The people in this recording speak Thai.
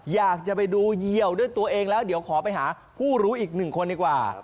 อยากจะไปดูเยี่ยวด้วยตัวเองแล้วเดี๋ยวขอไปหาผู้รู้อีกหนึ่งคนดีกว่า